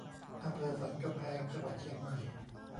อำเภอสันกำแพง จังหวัดเชียงใหม่